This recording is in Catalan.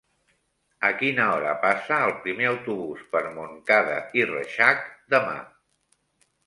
A quina hora passa el primer autobús per Montcada i Reixac demà?